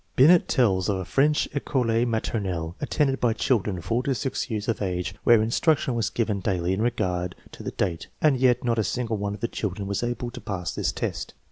Binet tells of a French fcole maternelle attended by children 4 to 6 years of age, where instruction was given daily in regard to the date, and yet not a single one of the children was able to pass this test.